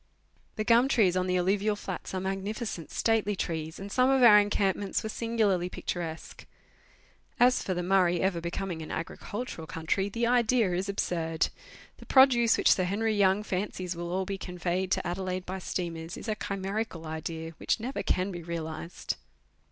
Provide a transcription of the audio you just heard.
The gum trees on the alluvial flats are magnificent, stately trees, and some of our encampments were singularly picturesque. As tor the Murray ever becoming an agricultural country, the idea is absurd. The produce which Sir Henry Young fancies will all be conveyed to Adelaide by steamers is a chimerical idea which never can be realized.